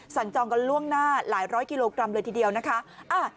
จองกันล่วงหน้าหลายร้อยกิโลกรัมเลยทีเดียวนะคะ